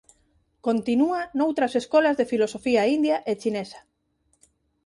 Continúa noutras escolas de filosofía india e chinesa.